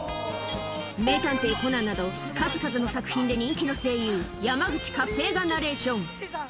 『名探偵コナン』など数々の作品で人気の声優山口勝平がナレーション